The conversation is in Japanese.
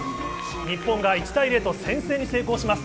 日本が１対０と先制に成功します。